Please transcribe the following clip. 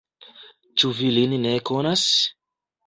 Ĉu vi lin ne konas?